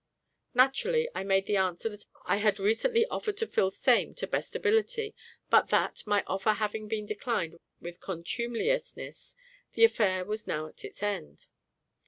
Naturally I made the answer that I had recently offered to fulfil same to best ability, but that, my offer having been declined with contumeliousness, the affair was now on its end.